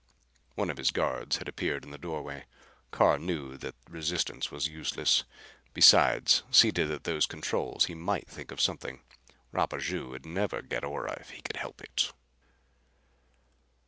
One of his guards had appeared in the doorway. Carr knew that resistance was useless. Besides, seated at those controls, he might think of something. Rapaju'd never get Ora if he could help it!